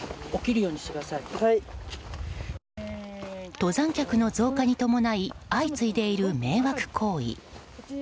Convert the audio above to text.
登山客の増加に伴い相次いでいる迷惑行為。